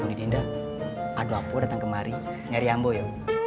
undi dinda aduh apa datang kemari nyari ambo ya